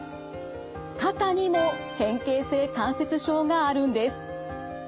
肩にも変形性関節症があるんです。